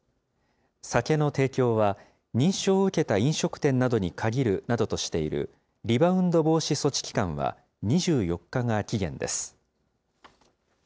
酒の提供は、認証を受けた飲食店などに限るなどとしているリバウンド防止措置期間は２４日が期限です。